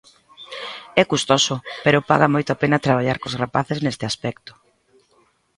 É custoso, pero paga moito a pena traballar cos rapaces neste aspecto.